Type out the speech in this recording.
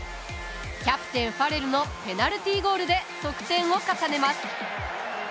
キャプテン、ファレルのペナルティゴールで得点を重ねます。